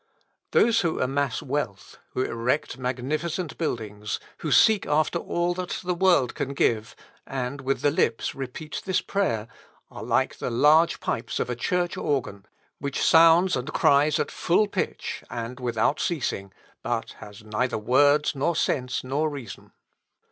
_ Those who amass wealth, who erect magnificent buildings, who seek after all that the world can give, and with the lips repeat this prayer, are like the large pipes of a church organ, which sounds and cries at full pitch, and without ceasing, but has neither words, nor sense, nor reason."...